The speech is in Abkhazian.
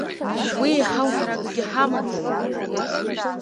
Уи еиҳау ҳара акагьы ҳамаӡам!